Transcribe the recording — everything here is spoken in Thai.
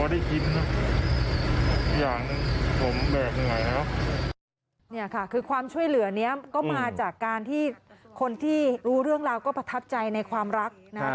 นี่ค่ะคือความช่วยเหลือนี้ก็มาจากการที่คนที่รู้เรื่องราวก็ประทับใจในความรักนะ